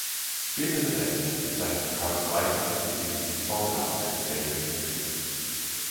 Spätere Werke sind bezeichnend für Harts reiche und gelegentlich formelhafte Gemälde von Kühen.